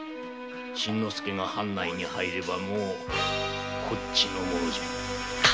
新之助が藩内に入ればもうこっちのものじゃ。